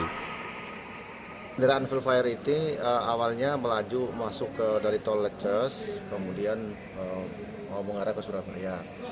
kendaraan vulfire itu awalnya melaju masuk dari tol leces kemudian mengarah ke surabaya